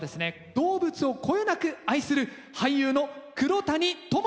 動物をこよなく愛する俳優の黒谷友香さんです。